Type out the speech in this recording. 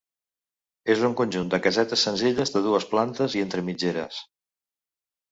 És un conjunt de casetes senzilles de dues plantes i entre mitgeres.